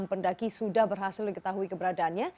enam pendaki sudah berhasil mengetahui keberadaannya